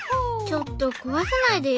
ちょっと壊さないでよ。